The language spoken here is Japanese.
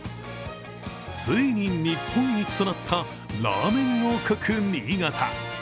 ついに日本一となったラーメン王国・新潟。